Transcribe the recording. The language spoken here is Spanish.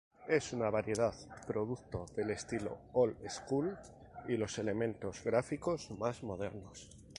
Es una variedad producto del estilo "old school" y los elementos gráficos más modernos.